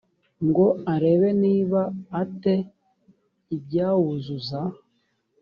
ngo arebe niba a te ibyawuzuza